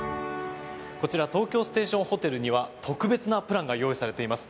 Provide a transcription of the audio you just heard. こちら東京ステーションホテルには特別なプランが用意されています。